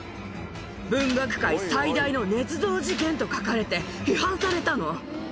文学界最大のねつ造事件と書かれて、批判されたの。